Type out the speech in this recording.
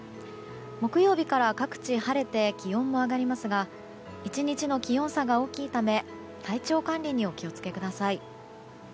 木曜日から各地晴れて気温も上がりますが１日の気温差が大きいため体調管理にお気を付けください。